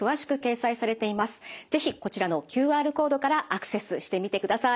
是非こちらのＱＲコードからアクセスしてみてください。